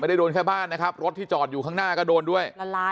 โดนแค่บ้านนะครับรถที่จอดอยู่ข้างหน้าก็โดนด้วย